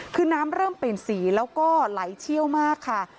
คือน้ำเริ่มเปลี่ยนสีแล้วก็ไหลเชี่ยวมากค่ะ